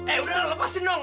eh udah lepasin dong